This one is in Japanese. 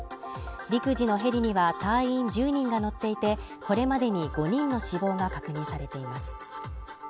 陸自のヘリには隊員１０人が乗っていて、これまでに５人の死亡が確認されています。